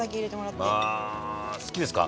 まあ好きですか？